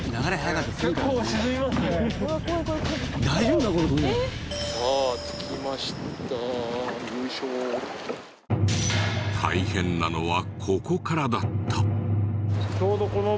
大変なのはここからだった。